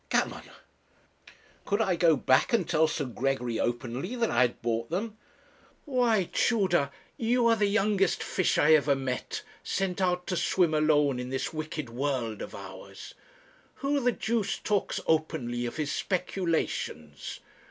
'Gammon ' 'Could I go back and tell Sir Gregory openly that I had bought them?' 'Why, Tudor, you are the youngest fish I ever met, sent out to swim alone in this wicked world of ours. Who the deuce talks openly of his speculations?